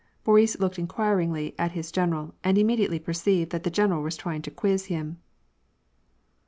Boris looked inquiringly at his general, and immediately perceived that the general was trying to quiz him.